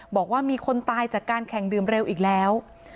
บอกว่ามีคนตายจากการแข่งดื่มเร็วอีกแล้ว